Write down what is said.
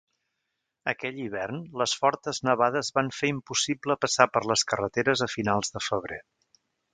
Aquell hivern, les fortes nevades van fer impossible passar per les carreteres a finals de febrer.